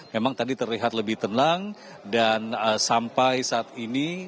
memang tadi terlihat lebih tenang dan sampai saat ini